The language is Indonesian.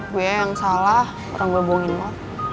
gue yang salah orang gue bohongin mah